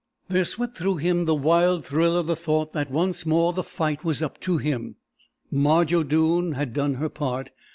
There swept through him the wild thrill of the thought that once more the fight was up to him. Marge O'Doone had done her part.